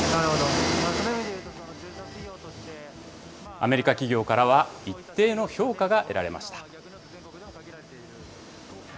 アメリカ企業からは、一定の評価が得られました。